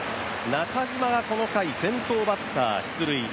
中島がこの回、先頭バッター出塁。